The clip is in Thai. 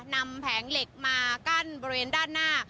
แผงเหล็กมากั้นบริเวณด้านหน้า